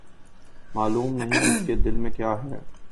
معلوم نہیں، اس کے دل میں کیاہے؟